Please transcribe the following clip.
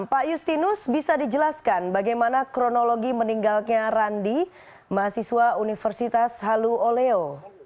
pak justinus bisa dijelaskan bagaimana kronologi meninggalnya randi mahasiswa universitas halu oleo